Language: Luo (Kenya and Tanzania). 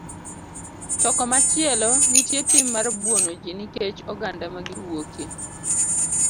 To komachielo, nitie tim mar buono ji nikech oganda ma giwuokie.